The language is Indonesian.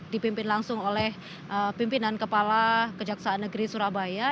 dipimpin langsung oleh pimpinan kepala kejaksaan negeri surabaya